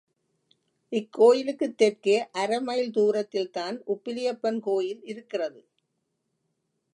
இக்கோயிலுக்குத் தெற்கே அரை மைல் தூரத்தில் தான் உப்பிலியப்பன் கோயில் இருக்கிறது.